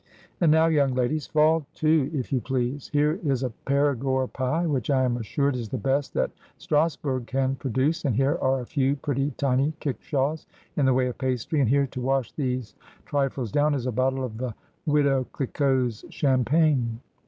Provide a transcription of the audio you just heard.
And now, young ladies, fall to, if you please. Here is a Perigord pie, which I am assured is the best that Strasbourg can produce, and here are a few pretty tiny kickshaws in the way of pastry ; and here, to wash these trifles down, is a bottle of the Widow Cliquot's champagne.'